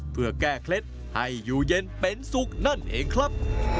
เพื่อแก้เคล็ดให้อยู่เย็นเป็นสุขนั่นเองครับ